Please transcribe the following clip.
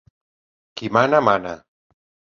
Qui mana, mana.